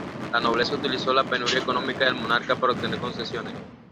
La nobleza utilizó la penuria económica del monarca para obtener concesiones.